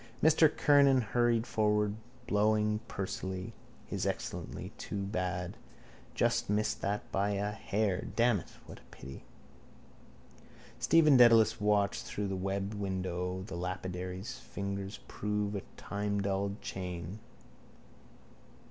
Mr Kernan hurried forward, blowing pursily. His Excellency! Too bad! Just missed that by a hair. Damn it! What a pity! Stephen Dedalus watched through the webbed window the lapidary's fingers prove a timedulled chain.